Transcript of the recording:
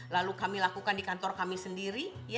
lalu kami lakukan di kantor kami sendiri